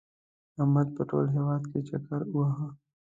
احمد په ټول هېواد کې چکر ووهه.